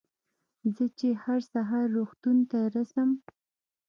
زه چې هر سهار روغتون ته رڅم.